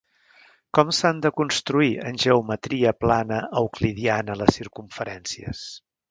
Com s'han de construir en geometria plana euclidiana les circumferències?